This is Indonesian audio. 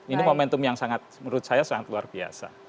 ini momentum yang sangat menurut saya sangat luar biasa